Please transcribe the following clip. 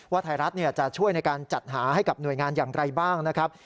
ไทยรัฐจะช่วยในการจัดหาให้กับหน่วยงานอย่างไรบ้างนะครับ